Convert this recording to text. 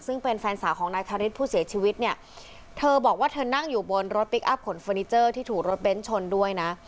ซึ่งเป็นแฟนสาวของนายคาริสผู้เสียชีวิตเนี่ยเธอบอกว่าเธอนั่งอยู่บนรถพลิกอัพขนเฟอร์นิเจอร์ที่ถูกรถเบ้นชนด้วยนะ